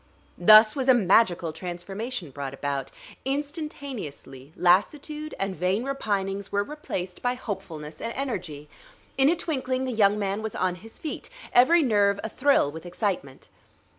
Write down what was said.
Thus was a magical transformation brought about. Instantaneously lassitude and vain repinings were replaced by hopefulness and energy. In a twinkling the young man was on his feet, every nerve a thrill with excitement.